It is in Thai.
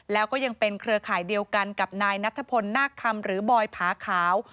แล้วก็ยังเป็นเครือข่ายเดียวกันกับนายนัทพลนาคคำหรือบอยผาขาว